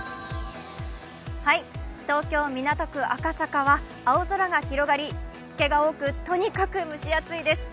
東京・港区赤坂は青空が広がり、湿気が多く、とにかく蒸し暑いです。